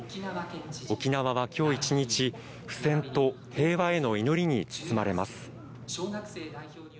沖縄は今日１日不戦と平和への祈りに包まれます。